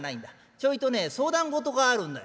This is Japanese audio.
ちょいとね相談事があるんだよ」。